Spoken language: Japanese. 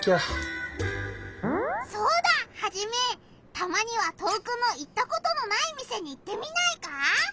たまには遠くの行ったことのない店に行ってみないか？